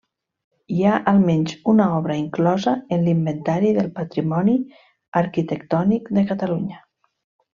Hi ha almenys una obra inclosa en l'Inventari del Patrimoni Arquitectònic de Catalunya.